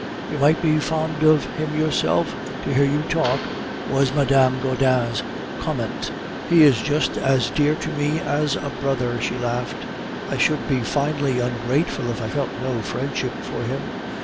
"'You might be fond of him yourself, to hear you talk,' was Madame Gaudin's comment. "'He is just as dear to me as a brother,' she laughed. 'I should be finely ungrateful if I felt no friendship for him.